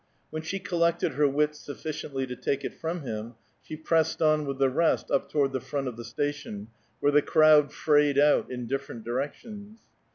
When she collected her wits sufficiently to take it from him, she pressed on with the rest up toward the front of the station where the crowd frayed out in different directions.